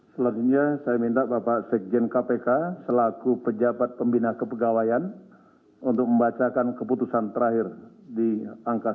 selanjutnya saya minta bapak sekjen kpk selaku pejabat pembina kepegawaian untuk membacakan keputusan terakhir di angka satu